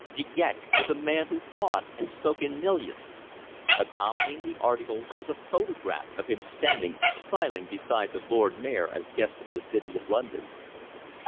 De Gex was a man who thought and spoke in millions. Accompanying the article was a photograph of him standing smiling beside the Lord Mayor as guest of the City of London.